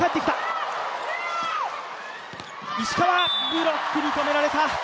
ブロックに止められた。